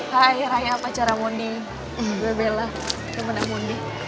hai raya pacar mondi gue bella temennya mondi